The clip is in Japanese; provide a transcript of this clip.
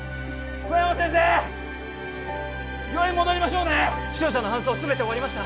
小山先生病院戻りましょうね負傷者の搬送全て終わりました